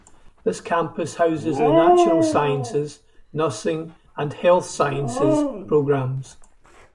This campus houses the natural sciences, nursing and health sciences programs.